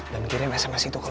dan kirim sms itu ke lo